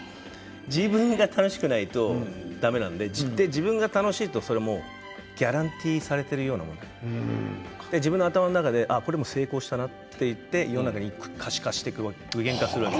自分が楽しくないとだめなので自分が楽しいとギャランティーされているようなもので自分の頭の中でこれは成功したなといって世の中に可視化していく具現化するわけ。